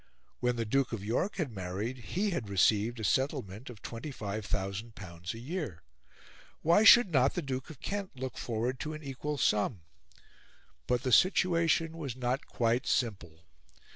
When the Duke of York had married he had received a settlement of L25,000 a year. Why should not the Duke of Kent look forward to an equal sum? But the situation was not quite simple.